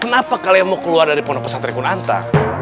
kenapa kalian mau keluar dari pondok pesantren kunanta